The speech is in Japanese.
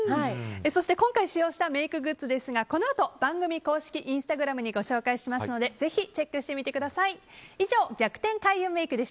そして、今回使用したメイクグッズですがこのあと番組公式インスタグラムにご紹介しますのでぜひチェックしてみてください。